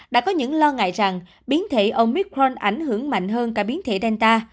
đã có những lo ngại rằng biến thể omicron ảnh hưởng mạnh hơn cả biến thể delta